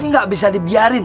ini gak bisa dibiarin